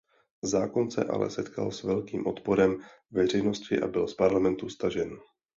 Zákon se ale setkal s velkým odporem veřejnosti a byl z parlamentu stažen.